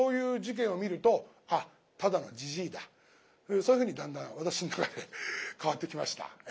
そういうふうにだんだん私の中で変わってきました。